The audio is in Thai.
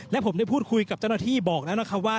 และผมได้พูดคุยกับเจ้าหน้าที่บอกแล้วนะครับว่า